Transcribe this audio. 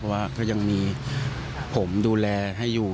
เพราะว่าก็ยังมีผมดูแลให้อยู่